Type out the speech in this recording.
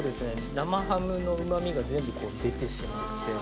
生ハムのうま味が全部出てしまって。